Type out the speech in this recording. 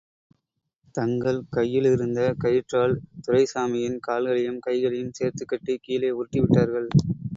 தங்கள் கையிலிருந்த கயிற்றால், துரைசாமியின் கால்களையும் கைகளையும் சேர்த்துக் கட்டி, கீழே உருட்டி விட்டார்கள்.